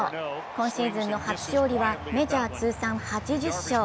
今シーズンの初勝利はメジャー通算８０勝。